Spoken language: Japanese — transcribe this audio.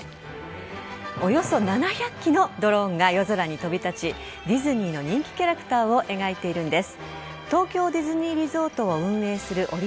およそ７００機のドローンが夜空に飛び立ちディズニーの人気キャラクターを描いているんです。